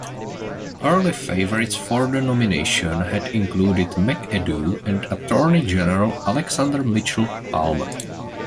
Early favorites for the nomination had included McAdoo and Attorney General Alexander Mitchell Palmer.